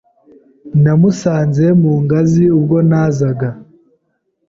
Namusanze ku ngazi ubwo nazaga.